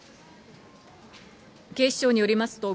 警視庁によりますと、